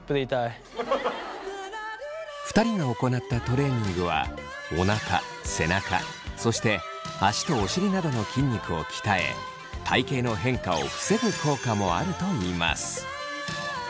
２人が行ったトレーニングはおなか背中そして足とお尻などの筋肉を鍛え体型の変化を防ぐ効果もあるといいます。